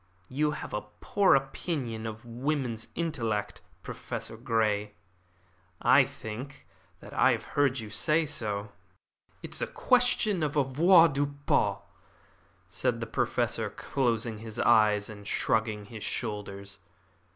You have a poor opinion of woman's intellect, Professor Grey. I think that I have heard you say so." "It is a question of avoirdupois," said the Professor, closing his eyes and shrugging his shoulders.